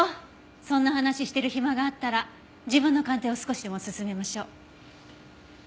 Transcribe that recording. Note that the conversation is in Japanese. そんな話してる暇があったら自分の鑑定を少しでも進めましょう。